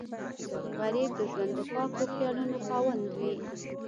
غریب د ژوند د پاکو خیالونو خاوند وي